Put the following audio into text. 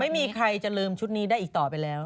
ไม่มีใครจะลืมชุดนี้ได้อีกต่อไปแล้ว